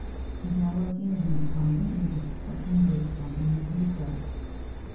He is now working as an accountant in a construction based company in Heathrow.